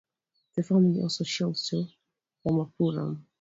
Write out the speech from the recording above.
The family also shifts to Ramapuram.